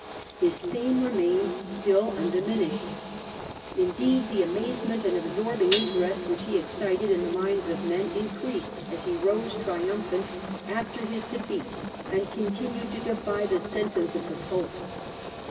His fame remained still undiminished. Indeed, the amazement and absorbing interest which he excited in the minds of men increased as he rose triumphant after his defeat and continued to defy the sentence of the Pope.